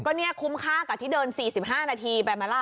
ก็เนี่ยคุ้มค่ากับที่เดิน๔๕นาทีไปไหมล่ะ